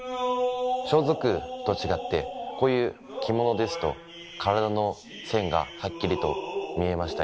装束と違ってこういう着物ですと体の線がはっきりと見えましたり